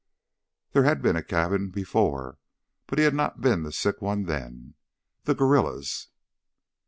There had been a cabin before, but he had not been the sick one then. The guerrillas!